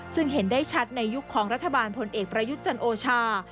ซึ่งเห็นได้ชัดในยุคของรัฐบาลพลเอกประยุทธ์จันโอชา